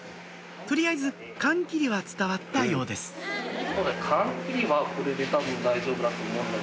取りあえず缶切りは伝わったようです近い！